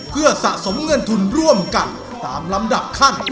เพื่อสะสมเงินทุนร่วมกันตามลำดับขั้น